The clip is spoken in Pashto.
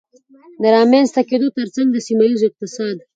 د رامنځته کېدو ترڅنګ د سيمهييز اقتصاد